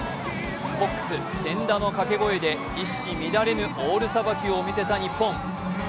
コックス・仙田のかけ声で一糸乱れぬオールさばきを見せた日本。